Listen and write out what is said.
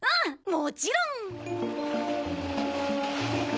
もちろん！